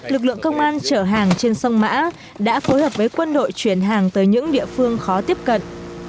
lực lượng công an chở hàng trên sông mã đã phối hợp với quân đội chuyển hàng tới những địa phương khó tiếp cận